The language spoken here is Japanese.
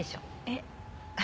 えっ。